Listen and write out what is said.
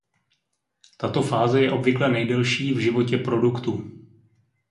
Tato fáze je obvykle nejdelší v „životě“ produktu.